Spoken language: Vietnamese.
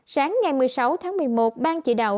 sáng ngày một mươi sáu tháng một mươi một ban chỉ đạo